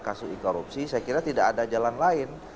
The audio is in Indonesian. kasus korupsi saya kira tidak ada jalan lain